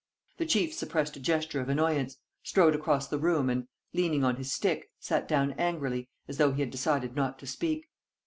The chief suppressed a gesture of annoyance, strode across the room and, leaning on his stick, sat down angrily, as though he had decided not to speak.